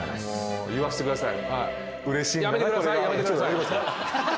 言わせてください。